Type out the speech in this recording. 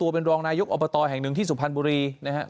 เป็นรองนายกอบตแห่งหนึ่งที่สุพรรณบุรีนะครับ